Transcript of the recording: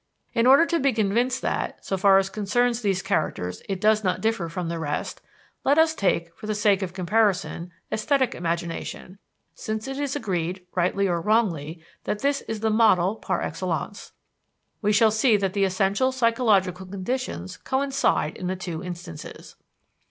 In order to be convinced that, so far as concerns these characters it does not differ from the rest, let us take, for the sake of comparison, esthetic imagination, since it is agreed, rightly or wrongly, that this is the model par excellence. We shall see that the essential psychological conditions coincide in the two instances.